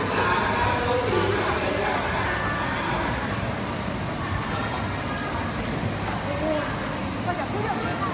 สาธิตรีสาธิตรีสาธิตรีสาธิตรี